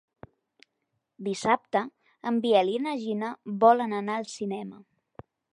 Dissabte en Biel i na Gina volen anar al cinema.